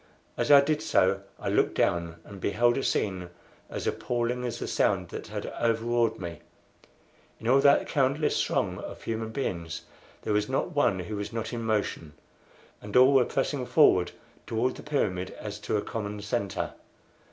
As I did so I looked down, and beheld a scene as appalling as the sound that had overawed me. In all that countless throng of human beings there was not one who was not in motion; and all were pressing forward toward the pyramid as to a common centre.